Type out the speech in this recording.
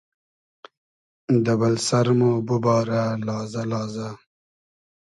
دۂ بئل سئر مۉ بوبارۂ لازۂ لازۂ